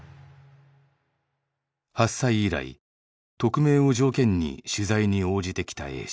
発災以来匿名を条件に取材に応じてきたＡ氏。